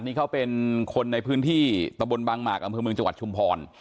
นี่เขาเป็นคนในพื้นที่ตะบนบางหมากอำเภอเมืองจังหวัดชุมพร